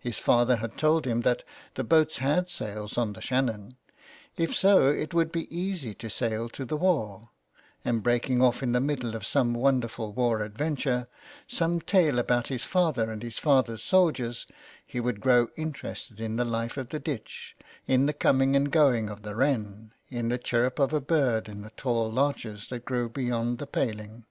His father had told him that the boats had sails on the Shannon — if so it would be easy to sail to the war ; and breaking off in the middle of some wonderful war adventure, some tale about his father and his father's soldiers, he would grow interested in the life of the ditch, in the coming and going of the wren, in the chirrup of a bird in the tall larches that grew beyond the paling.